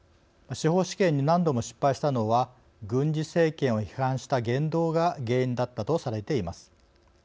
司法試験に何度も失敗したのは軍事政権を批判した言動が原因だったとされています。